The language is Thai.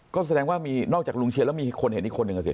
ก็แสดงว่ามีนอกจากลุงเชียนแล้วมีคนเห็นอีกคนหนึ่งอ่ะสิ